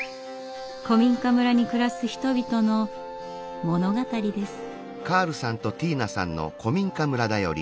古民家村に暮らす人々の物語です。